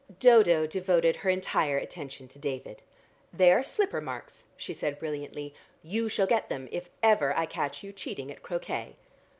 Dodo devoted her entire attention to David. "They are slipper marks," she said brilliantly. "You shall get them if ever I catch you cheating at croquet."